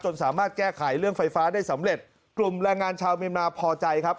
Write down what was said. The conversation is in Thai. สามารถแก้ไขเรื่องไฟฟ้าได้สำเร็จกลุ่มแรงงานชาวเมียนมาพอใจครับ